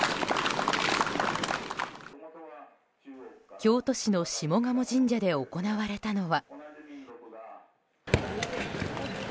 京都市の下鴨神社で行われたのは。